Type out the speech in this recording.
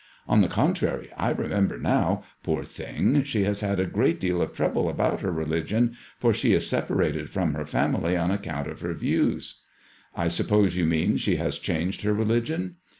On the contrary, I remember now, poor thing, she has had a great deal of trouble about her religion, for she is separated from her family on account of her views." I suppose you mean she has changed her religion